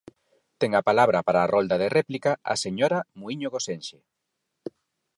Ten a palabra para a rolda de réplica a señora Muíño Gosenxe.